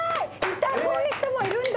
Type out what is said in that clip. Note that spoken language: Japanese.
こういう人もいるんだ